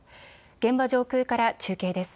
現場上空から中継です。